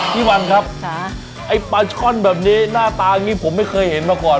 พี่วันครับไอ้ปลาช่อนแบบนี้หน้าตาอย่างนี้ผมไม่เคยเห็นมาก่อน